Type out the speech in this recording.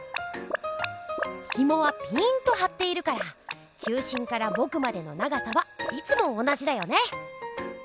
ひもはピーンとはっているから中心からぼくまでの長さはいつも同じだよね。